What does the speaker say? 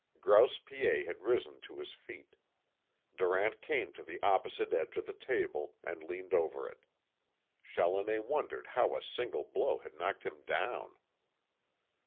Grouse Piet had risen to his feet. Durant came to the opposite edge of the table, and leaned over it. Challoner wondered how a single blow had knocked him down.